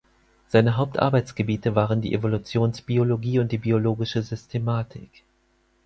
Seine Hauptarbeitsgebiete waren die Evolutionsbiologie und die biologische Systematik.